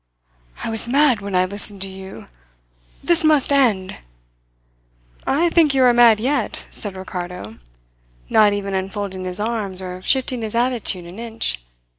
"I was mad when I listened to you. This must end!" "I think you are mad yet," said Ricardo, not even unfolding his arms or shifting his attitude an inch.